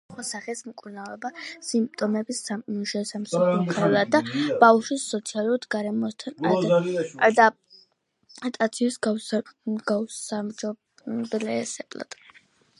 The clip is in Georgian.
თუმცა არსებობს სხვადასხვა სახის მკურნალობა სიმპტომების შესამსუბუქებლად და ბავშვის სოციალურ გარემოსთან ადაპტაციის გასაუმჯობესებლად.